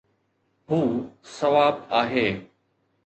هو سواب آهي